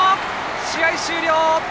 試合終了！